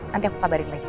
nanti aku kabarin lagi